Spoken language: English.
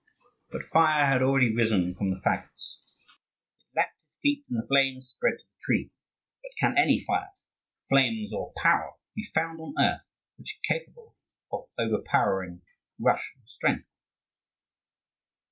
But fire had already risen from the fagots; it lapped his feet, and the flame spread to the tree.... But can any fire, flames, or power be found on earth which are capable of overpowering Russian strength?